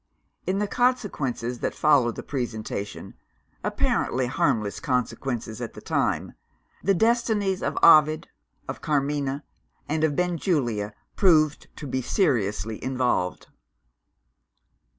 In the consequences that followed the presentation apparently harmless consequences at the time the destinies of Ovid, of Carmina, and of Benjulia proved to be seriously involved.